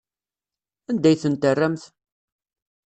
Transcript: Anda ay tent-terramt?